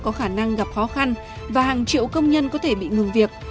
có khả năng gặp khó khăn và hàng triệu công nhân có thể bị ngừng việc